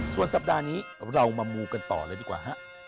ส่วนสัปดาห์นี้เรามามูกันต่อเลยดีกว่าฮะ